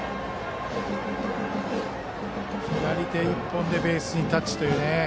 左手１本でベースにタッチという。